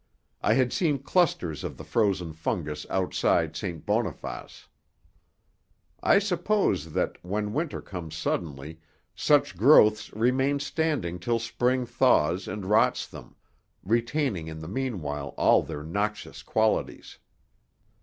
I had seen clusters of the frozen fungus outside St. Boniface. I suppose that, when winter comes suddenly, such growths remain standing till spring thaws and rots them, retaining in the meanwhile all their noxious qualities.